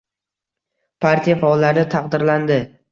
Partiya faollari taqdirlanding